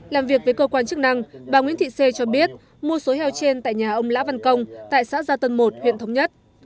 làm việc với cơ quan chức năng bà nguyễn thị xê cho biết mua số heo trên tại nhà ông lã văn công tại xã gia tân một huyện thống nhất